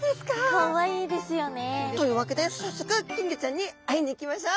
かわいいですよね。というわけで早速金魚ちゃんに会いに行きましょう。